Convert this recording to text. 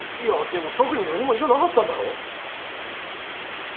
いやでも特に何も異常なかったんだろう？